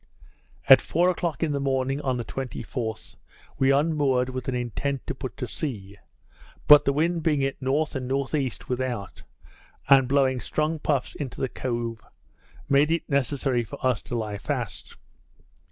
At four o'clock in the morning, on the 24th, we unmoored with an intent to put to sea; but the wind being at N. and N.E. without, and blowing strong puffs into the cove, made it necessary for us to lie fast.